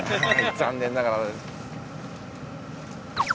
残念ながら。